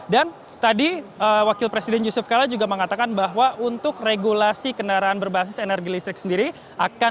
dan tadi wakil presiden yusef kala juga mengatakan bahwa untuk regulasi kendaraan berbasis energi listrik sendiri akan